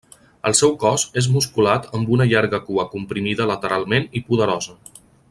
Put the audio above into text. El seu cos és musculat amb una llarga cua comprimida lateralment i poderosa.